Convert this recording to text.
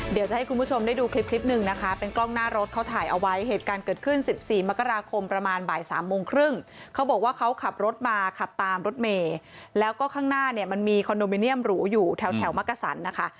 เดี๋ยวจะให้คุณผู้ชมได้ดูคลิปคลิปหนึ่งนะคะเป็นกล้องหน้ารถเขาถ่ายเอาไว้เหตุการณ์เกิดขึ้น๑๔มกราคมประมาณบ่ายสามโมงครึ่งเขาบอกว่าเขาขับรถมาขับตามรถเมย์แล้วก็ข้างหน้าเนี่ยมันมีคอนโดมิเนียมหรูอยู่แถวแถวมักกษันนะคะ